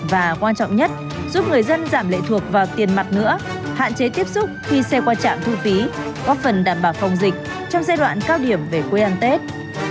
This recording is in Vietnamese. và quan trọng nhất giúp người dân giảm lệ thuộc vào tiền mặt nữa hạn chế tiếp xúc khi xe qua trạm thu phí góp phần đảm bảo phòng dịch trong giai đoạn cao điểm về quê ăn tết